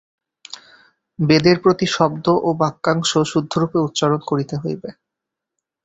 বেদের প্রতি শব্দ ও বাক্যাংশ শুদ্ধরূপে উচ্চারণ করিতে হইবে।